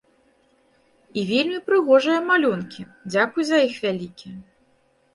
І вельмі прыгожыя малюнкі, дзякуй за іх вялікі.